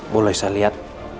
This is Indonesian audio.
boleh saya lihat